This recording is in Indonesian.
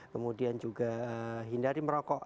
kemudian juga hindari merokok